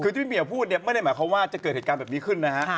คือที่พี่เหี่ยวพูดเนี่ยไม่ได้หมายความว่าจะเกิดเหตุการณ์แบบนี้ขึ้นนะฮะ